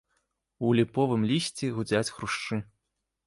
У ліповым лісці гудзяць хрушчы.